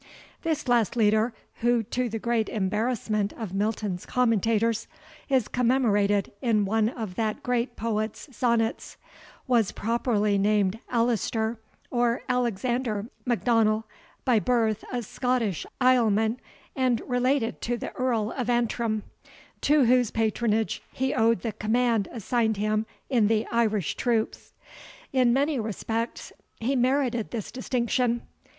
This last leader, who, to the great embarrassment of Milton's commentators, is commemorated in one of that great poet's sonnets, was properly named Alister, or Alexander M'Donnell, by birth a Scottish islesman, and related to the Earl of Antrim, to whose patronage he owed the command assigned him in the Irish troops. In many respects he merited this distinction.